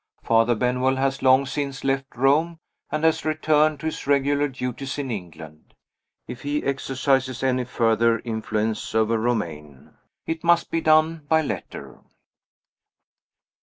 Father Benwell has long since left Rome, and has returned to his regular duties in England. If he exercises any further influence over Romayne, it must be done by letter.